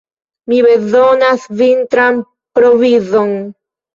Mi bezonas vintran provizon.